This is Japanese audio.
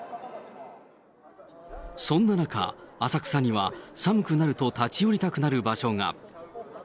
そんな中、浅草には、寒くなると立ち寄りたくなる場所が。